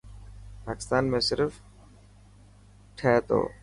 پاڪستان ۾ صرف ٺهي تو.